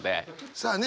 さあね